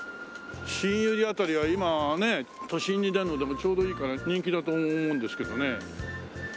しんゆり辺りは今ね都心に出るのでもちょうどいいから人気だと思うんですけどね。